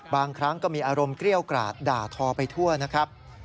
บางครั้งก็มีอารมณ์เกรี้ยวกราดด่าทอไปทั่วนะครับ